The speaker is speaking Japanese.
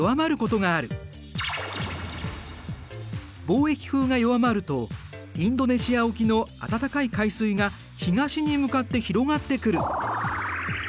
貿易風が弱まるとインドネシア沖の温かい海水が東に向かって広がってくる。